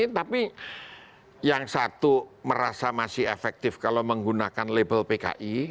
tapi yang satu merasa masih efektif kalau menggunakan label pki